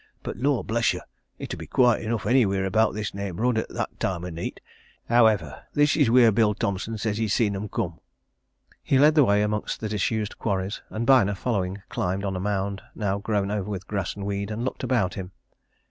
"But lor bless yer! it 'ud be quiet enough anywheer about this neighbourhood at that time o' neet. However, this is wheer Bill Thomson says he see'd 'em come." He led the way amongst the disused quarries, and Byner, following, climbed on a mound, now grown over with grass and weed, and looked about him.